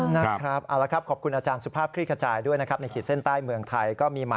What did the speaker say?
นะครับเอาละครับขอบคุณอาจารย์สุภาพคลี่ขจายด้วยนะครับในขีดเส้นใต้เมืองไทยก็มีมา